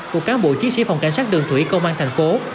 của cán bộ chiến sĩ phòng cảnh sát đường thủy công an thành phố